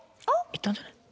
いったんじゃない？